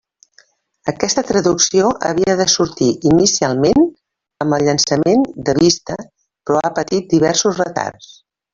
Aquesta traducció havia de sortir inicialment amb el llançament de Vista però ha patit diversos retards.